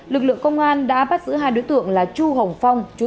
lực lượng công an đã bắt giữ hai đối tượng là chu hồng phong